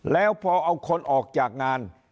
แล้วพอเอาคนออกจากงาน